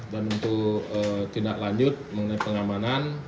dan untuk tindak lanjut mengenai pengamanan